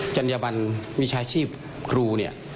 จัญญบันวิชาชีพครูเนี่ย